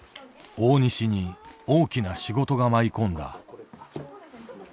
大西に大きな仕事が舞い込んだ。